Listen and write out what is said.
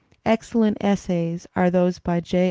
Excellent essays are those by J.